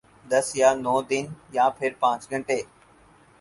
دس یا نو دن یا پھر پانچ گھنٹے؟